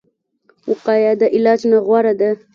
وقایه د علاج نه غوره ده